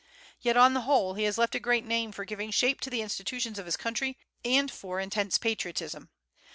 Yet, on the whole, he has left a great name for giving shape to the institutions of his country, and for intense patriotism.